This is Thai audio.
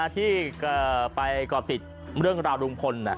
ที่ไปติดกล่องราวลุมพล